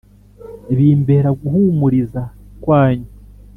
bimbere guhumuriza kwanyu